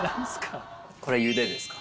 これゆでですか？